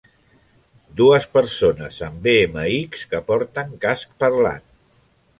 Dues persones amb BMX que porten casc parlant.